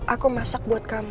aku masak buat kamu